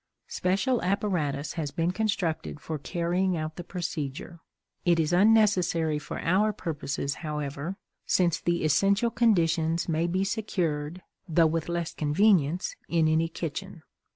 Special apparatus has been constructed for carrying out the procedure. It is unnecessary for our purposes, however, since the essential conditions may be secured, though with less convenience, in any kitchen.